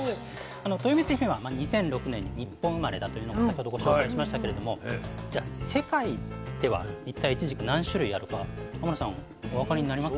とよみつひめは２００６年に日本生まれだというのを先ほどご紹介しましたけれども世界では一体いちじく何種類あるか天野さんお分かりになります？